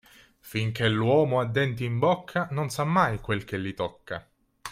Finché l'uomo ha denti in bocca, non sa mai quel che gli tocca.